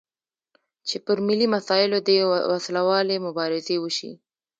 چې پر ملي مسایلو دې وسلوالې مبارزې وشي.